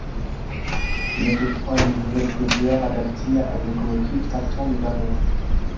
Ils mettent au point une nouvelle chaudière adaptée à une locomotive tractant des wagons.